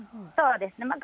そうですね。